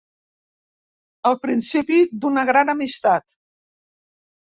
El principi d'una gran amistat.